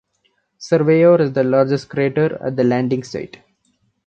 Surveyor is the largest crater at the landing site.